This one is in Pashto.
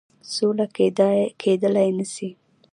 سوله کېدلای نه سي.